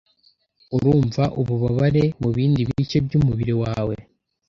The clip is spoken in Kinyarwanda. Urumva ububabare mubindi bice byumubiri wawe?